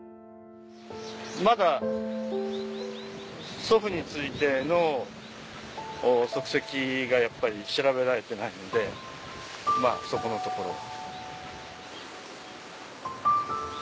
まだ祖父についての足跡がやっぱり調べられてないのでそこのところは。